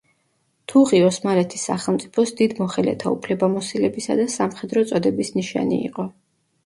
თუღი ოსმალეთის სახელმწიფოს დიდ მოხელეთა უფლებამოსილებისა და სამხედრო წოდების ნიშანი იყო.